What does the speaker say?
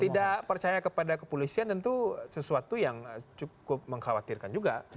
tidak percaya kepada kepolisian tentu sesuatu yang cukup mengkhawatirkan juga